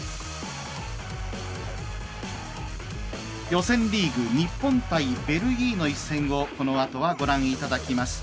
予選リーグ日本対ベルギーの一戦をこのあとはご覧いただきます。